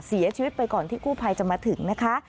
เสียชีวิตไปก่อนที่กู้ภัยจะมาถึงนะคะ